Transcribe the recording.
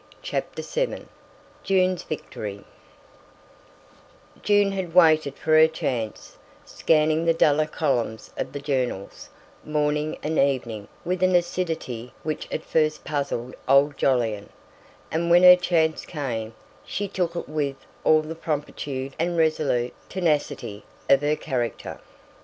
CHAPTER VII JUNE'S VICTORY June had waited for her chance, scanning the duller columns of the journals, morning and evening with an assiduity which at first puzzled old Jolyon; and when her chance came, she took it with all the promptitude and resolute tenacity of her character.